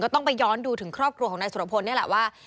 ต้องไปย้อนดูถึงครอบครัวของนายสุรพลนี่แหละว่า